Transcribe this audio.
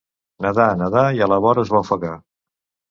Nedar, nedar i a la vora es va ofegar.